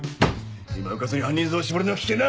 今うかつに犯人像を絞るのは危険だ！